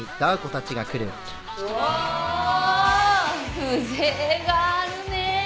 風情があるねえ。